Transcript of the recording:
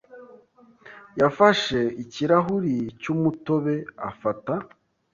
yafashe ikirahuri cy'umutobe afata.